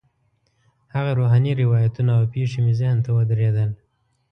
هغه روحاني روایتونه او پېښې مې ذهن ته ودرېدل.